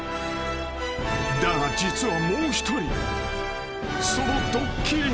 ［だが実はもう一人］